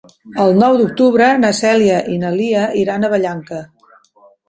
El nou d'octubre na Cèlia i na Lia iran a Vallanca.